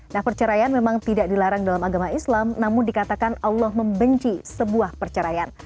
nah perceraian memang tidak dilarang dalam agama islam namun dikatakan allah membenci sebuah perceraian